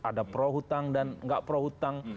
ada pro hutang dan nggak pro hutang